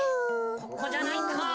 ここじゃないか。